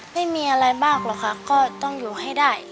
ไม่มีอะไรมากหรอกค่ะก็ต้องอยู่ให้ได้